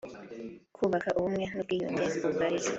kubaka ubumwe n’ubwiyunge mu barezi